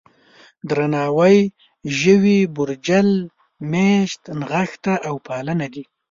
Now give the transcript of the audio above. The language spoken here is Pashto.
درناوی، ژوي، بورجل، مېشت، نغښته او پالنه دي.